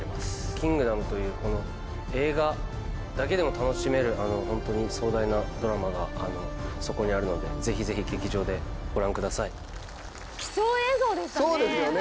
『キングダム』というこの映画だけでも楽しめるホントに壮大なドラマがそこにあるのでぜひぜひ劇場でご覧ください。でしたね。